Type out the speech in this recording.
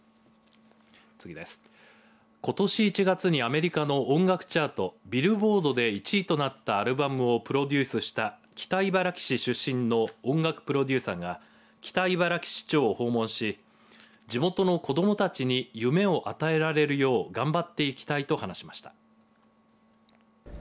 ことし１月にアメリカの音楽チャートビルボードで１位となったアルバムをプロデュースした北茨城市出身の音楽プロデューサーが北茨城市長を訪問し地元の子どもたちに夢を与えられるよう頑張っていきたいと話しました。